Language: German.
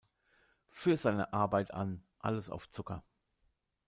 Für seine Arbeit an "Alles auf Zucker!